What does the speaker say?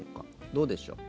どうでしょう。